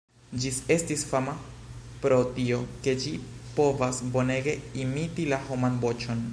Ĝis estis fama pro tio, ke ĝi povas bonege imiti la homan voĉon.